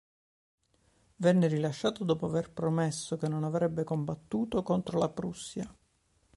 Venne rilasciato dopo aver promesso che non avrebbe combattuto contro la Prussia.